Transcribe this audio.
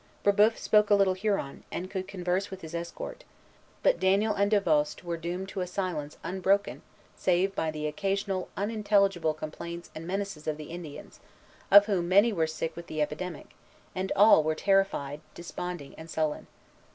Brébeuf spoke a little Huron, and could converse with his escort; but Daniel and Davost were doomed to a silence unbroken save by the occasional unintelligible complaints and menaces of the Indians, of whom many were sick with the epidemic, and all were terrified, desponding, and sullen.